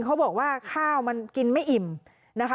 แต่ว่าข้าวมันกินไม่อิ่มนะคะ